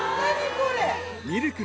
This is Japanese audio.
これ！